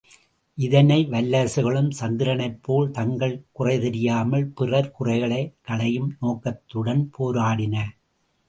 இதனை வல்லரசுகளும், சந்திரனைப்போல் தங்கள், குறைதெரியாமல், பிறர் குறைகளை களையும் நோக்கத்துடன் போராடின.